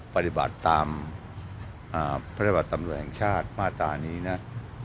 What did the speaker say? ปฏิบัตตามอ่าพรบัตรตำรวจแห่งชาติมาตรานี้เนี่ย